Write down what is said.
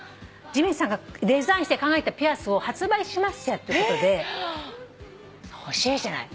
「ジミンさんがデザインして考えたピアスを発売しますよ」ってことで欲しいじゃない。